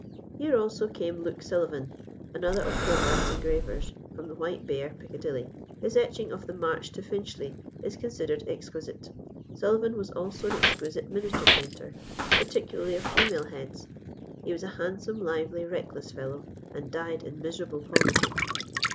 Here, also, came Luke Sullivan, another of Hogarth's engravers, from the White Bear, Piccadilly. His etching of "The March to Finchley" is considered exquisite. Sullivan was also an exquisite miniature painter, particularly of female heads. He was a handsome, lively, reckless fellow, and died in miserable poverty.